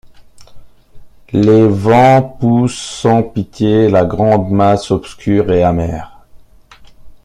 Les vents poussent sans pitié la grande masse obscure et amère.